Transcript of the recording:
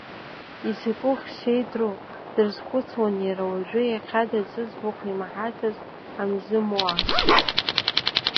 Изакәых сеидру, дрызхәыцуан иара уажәы иахьада зыӡбахә имаҳацыз амзымуаа.